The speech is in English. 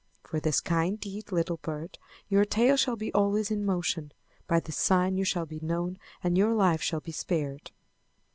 "For this kind deed, little bird, your tail shall be always in motion. By this sign you shall be known and your life shall be spared."